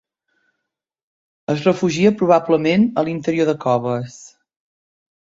Es refugia probablement a l'interior de coves.